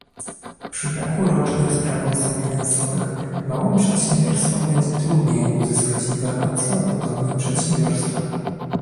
Przy braku rocznych sprawozdań finansowych małym przedsiębiorstwom będzie trudniej uzyskać informacje o podobnych przedsiębiorstwach